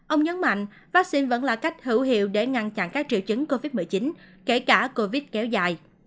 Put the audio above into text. ông nhấn mạnh vaccine vẫn là cách hữu hiệu để ngăn chặn các triệu chứng covid một mươi chín kể cả covid kéo dài